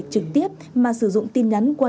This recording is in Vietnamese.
trực tiếp mà sử dụng tin nhắn qua